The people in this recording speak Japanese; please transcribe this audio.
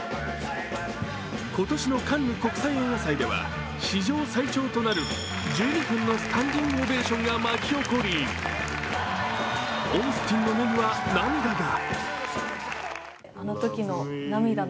今年のカンヌ国際映画祭では史上最長となる１２分のスタンディングオベーションが巻き起こり、オースティンの目には涙が。